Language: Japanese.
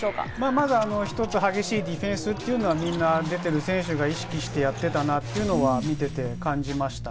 まず一つ、激しいディフェンスというのは、みんな出ている選手が意識してやっていたなというのは見ていて感じました。